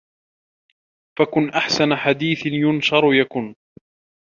فَكُنْ أَحْسَنَ حَدِيثٍ يُنْشَرُ يَكُنْ